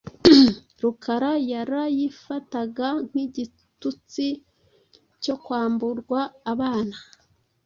Rukara yarayifataga nk’igitutsi cyo kwamburwa abana.